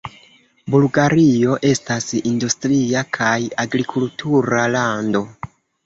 Bulgario estas industria kaj agrikultura lando.